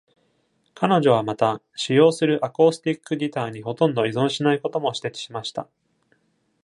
彼女はまた、使用するアコースティックギターにほとんど依存しないことも指摘しました。